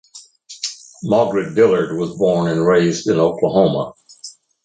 Margaret Dillard was born and raised in Oklahoma.